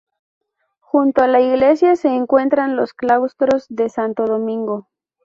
Junto a la Iglesia se encuentran los Claustros de Santo Domingo.